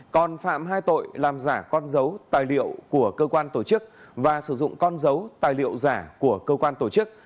còn phạm hai tội làm giả con dấu tài liệu của cơ quan tổ chức và sử dụng con dấu tài liệu giả của cơ quan tổ chức